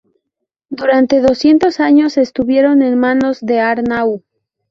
Durante doscientos años estuvieron en manos de Arnau.